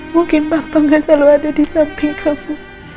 mungkin papa gak selalu ada di samping kamu